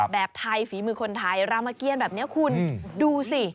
แบบไทยฝีมือคนไทยรามเกียรแบบนี้คุณดูสิ